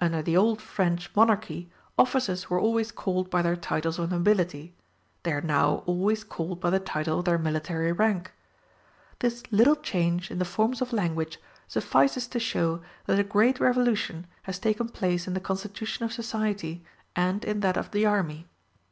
Under the old French monarchy officers were always called by their titles of nobility; they are now always called by the title of their military rank. This little change in the forms of language suffices to show that a great revolution has taken place in the constitution of society and in that of the army.